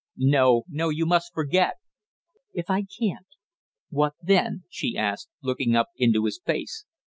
"No, no, you must forget !" "If I can't, what then?" she asked, looking up into his face.